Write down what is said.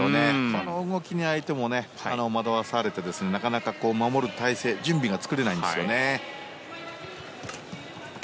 この動きに相手も惑わされてなかなか守る体勢準備が作れないんですよね。